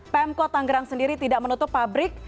pemkot tanggerang sendiri tidak menutup pabrik